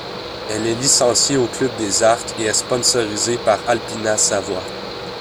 Elle est licenciée au club des Arcs et est sponsorisée par Alpina Savoie.